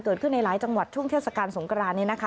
เกิดขึ้นในหลายจังหวัดช่วงเทศกาลสงกรานนี้นะคะ